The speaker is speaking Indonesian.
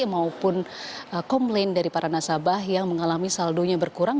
maupun komplain dari para nasabah yang mengalami saldonya berkurang